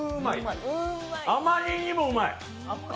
あまりにもうまい！